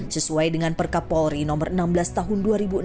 sesuai dengan perkapolri nomor enam belas tahun dua ribu enam belas